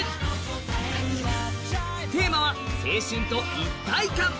テーマは、青春と一体感。